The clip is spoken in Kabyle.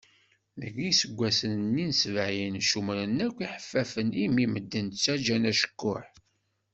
Deg iseggasen-nni n sebɛin ccumren akk iḥeffafen imi medden ttaǧǧan acekkuḥ.